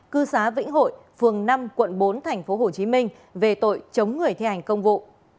cư xá vĩnh hội phường năm quận bốn tp hcm về tội chống người thi hành công vụ